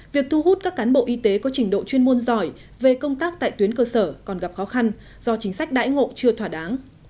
việc thu hút các cán bộ y tế có trình độ chuyên môn giỏi về công tác tại tuyến cơ sở còn gặp khó khăn do chính sách đãi ngộ chưa thỏa đáng